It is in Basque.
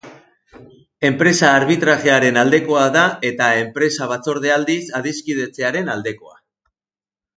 Enpresa arbitrajearen aldekoa da eta enpresa batzordea aldiz, adiskidetzearen aldekoa.